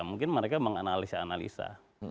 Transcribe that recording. mungkin mereka menganalisa analisa